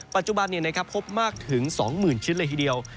ปัจจุบันพบมากถึง๒๐๐๐ชิ้นเลยทีเดียว